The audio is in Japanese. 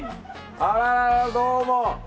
あら、どうも。